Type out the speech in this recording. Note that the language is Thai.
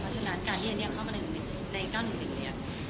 เพราะฉะนั้นการที่เจนนี่เข้ามาใน๙๑๑